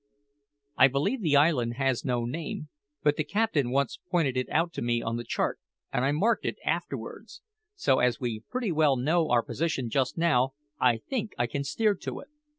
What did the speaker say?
I believe the island has no name, but the captain once pointed it out to me on the chart, and I marked it afterwards; so, as we know pretty well our position just now, I think I can steer to it.